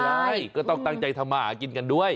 ใช่ก็ต้องตั้งใจทำมาหากินกันด้วย